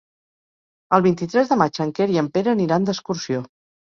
El vint-i-tres de maig en Quer i en Pere aniran d'excursió.